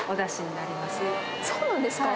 そうなんですか！